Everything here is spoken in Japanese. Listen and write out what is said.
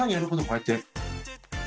こうやって。